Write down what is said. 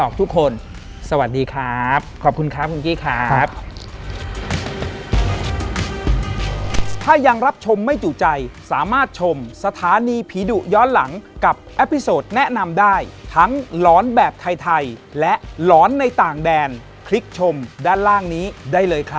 คลิกยึดชมด้านล่างนี้ได้เลยค่ะ